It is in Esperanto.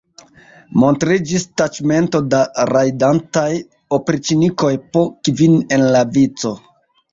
Montriĝis taĉmento da rajdantaj opriĉnikoj po kvin en la vico.